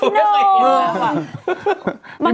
ไม่เคยเห็น